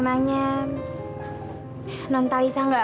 raka pasti menyoped